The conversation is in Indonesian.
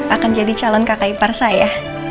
akan jadi calon kakak ipar saya